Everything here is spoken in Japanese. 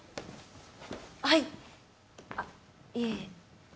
はいあっいえ。